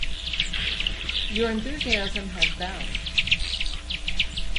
Your enthusiasm has bounds.